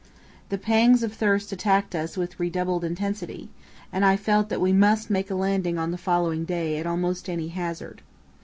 The pangs of thirst attacked us with redoubled intensity, and I felt that we must make a landing on the following day at almost any hazard.